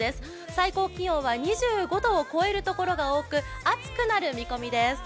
最高気温は２５度を超えるところが多く、暑くなる見込みです。